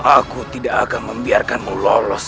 aku tidak akan membiarkanmu lolos